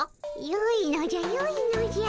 よいのじゃよいのじゃ。